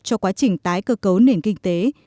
cho quá trình tái cơ cấu nền kinh tế